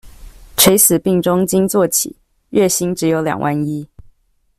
垂死病中驚坐起，月薪只有兩萬一